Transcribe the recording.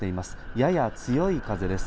やや強い風です。